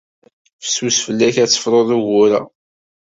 Fessus fell-ak ad tefruḍ ugur-a.